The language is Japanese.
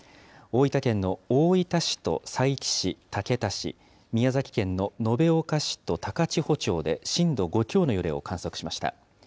大分県の大分市と佐伯市、竹田市、宮崎県の延岡市と高千穂町で震度５強の揺れを観測しました。